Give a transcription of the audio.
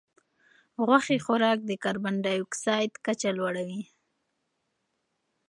غوښې خوراک د کاربن ډای اکسایډ کچه لوړوي.